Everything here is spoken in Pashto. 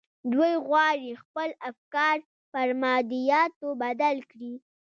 دوی غواړي خپل افکار پر مادياتو بدل کړي.